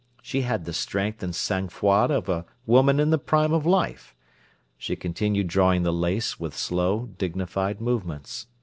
She had the strength and sang froid of a woman in the prime of life. She continued drawing the lace with slow, dignified movements.